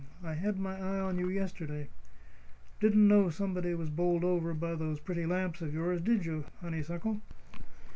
I had my eye on you yesterday. Didn't know somebody was bowled over by those pretty lamps of yours, did you, honeysuckle?"